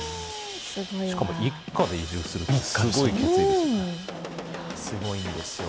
しかも一家で移住するってすごい決意ですね。